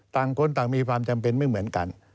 ต่างคนต่างมีความจำเป็นไม่เหมือนกัน